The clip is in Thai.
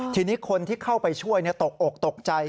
ทีนี้คนที่เข้าไปช่วยตกอกตกใจ